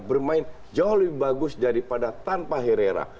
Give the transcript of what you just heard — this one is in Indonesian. bermain jauh lebih bagus daripada tanpa herrera